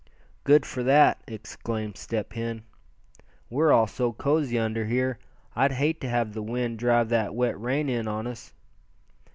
"Good for that!" exclaimed Step Hen. "We're all so cozy under here, I'd hate to have the wind drive that wet rain in on us.